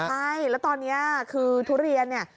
ใช่แล้วตอนนี้คือทุเรียนเนี่ย